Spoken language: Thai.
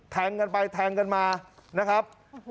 แทงกันไปแทงกันมานะครับ